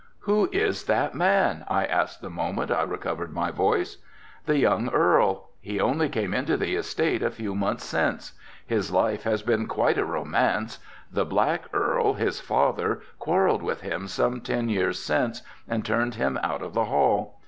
"Who is that man?" I asked the moment I recovered my voice. "The young Earl. He only came into the estate a few months since. His life has been quite a romance. The Black Earl, his father, quarreled with him some ten years since and turned him out of the Hall.